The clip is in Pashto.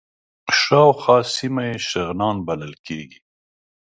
شاوخوا سیمه یې شغنان بلل کېږي.